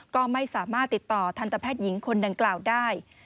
ก็ไม่สามารถติดต่อทันตแพทย์หญิงคนดังกล่าวได้